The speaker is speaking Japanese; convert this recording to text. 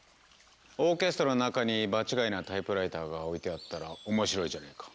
オーケストラの中に場違いなタイプライターが置いてあったら面白いじゃないか。